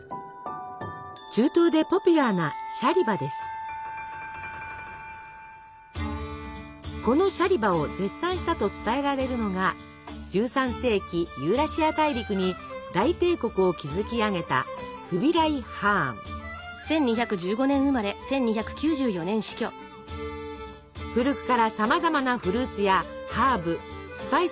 中東でポピュラーなこのシャリバを絶賛したと伝えられるのが１３世紀ユーラシア大陸に大帝国を築き上げた古くからさまざまなフルーツやハーブスパイスが用いられたというシャリバ。